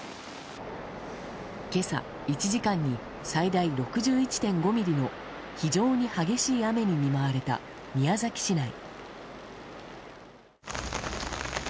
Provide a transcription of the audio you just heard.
今朝、１時間に最大６１．５ミリの非常に激しい雨に見舞われた宮崎市内。